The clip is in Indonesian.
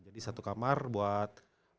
jadi satu kamar buat